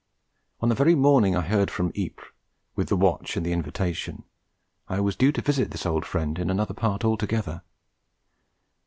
On the very morning I heard from Ypres with the watch and the invitation I was due to visit this old friend in another part altogether.